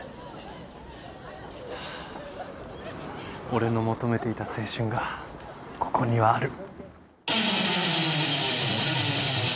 俺の求めていた青春がここにはある。